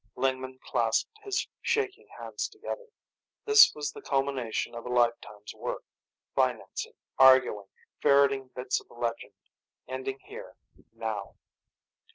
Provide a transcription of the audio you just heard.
Lingman clasped his shaking hands together. This was the culmination of a lifetime's work, financing, arguing, ferreting bits of legend, ending here, now.